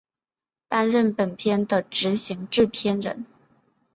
担任本片的执行制片人。